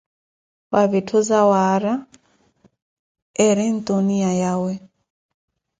Mwa vitthu zawaarya eri tuniya yawe.